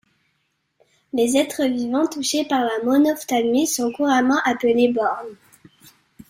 Les êtres vivants touchés par la monophtalmie sont couramment appelés borgnes.